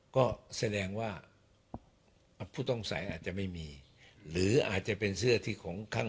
ก็แสดงว่าผู้ต้องสัยอาจจะไม่มีหรืออาจจะเป็นเสื้อที่ของข้าง